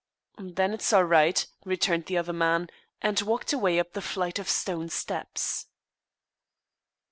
"Then it's all right," returned the other man, and walked away up the flight of stone steps.